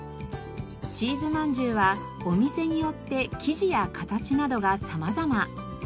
チーズ饅頭はお店によって生地や形などが様々。